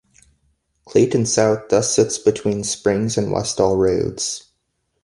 Clayton South thus sits between Springs and Westall Roads.